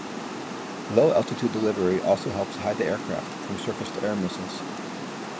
Low-altitude delivery also helps hide the aircraft from surface-to-air missiles.